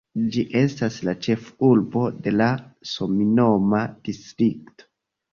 Ĝi estas la ĉefurbo de la samnoma distrikto.